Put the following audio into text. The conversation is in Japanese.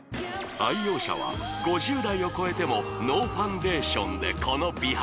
愛用者は５０代を超えてもノーファンデーションでこの美肌